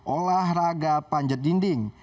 olahraga panjat dinding